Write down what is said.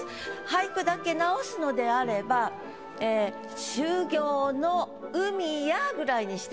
俳句だけ直すのであれば「秋曉の湖や」ぐらいにして。